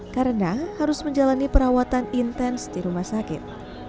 karena harus menjalani perawatan intens di rumah sakit